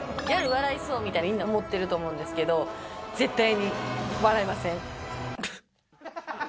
ギャル笑いそうみたいな、みんな、思ってると思うんですけど、絶対に笑いません。